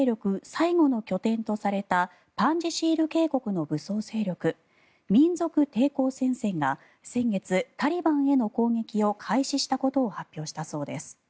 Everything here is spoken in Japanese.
最後の拠点とされたパンジシール渓谷の武装勢力民族抵抗戦線が先月、タリバンへの攻撃を開始したことを発表したそうです。